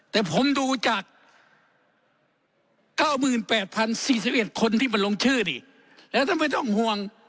แต่ผมดูจาก๙๘๐๔๑คนที่มาลงชื่อนี่แล้วท่านไม่ต้องห่วง